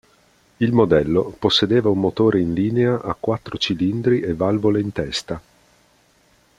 Il modello possedeva un motore in linea a quattro cilindri e valvole in testa.